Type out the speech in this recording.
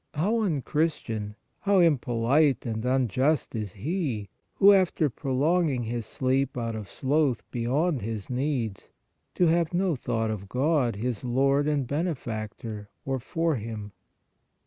How unchristian, how impolite and unjust is he, who after prolonging his sleep out of sloth beyond his needs, to have no thought of God, his Lord and Benefactor, or for Him